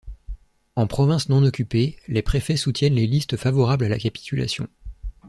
En province non occupée, les préfets soutiennent les listes favorables à la capitulation.